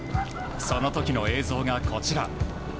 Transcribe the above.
その時の映像が、こちら。